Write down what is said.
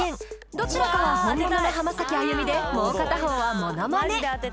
どちらかは本物の浜崎あゆみでもう片方はモノマネ